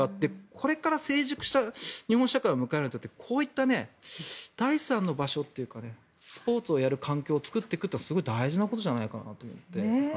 これから成熟した日本社会を迎えるに当たってこういった第三の場所というかスポーツをやる環境を作っていくというのはすごい大事なことじゃないかなと思って。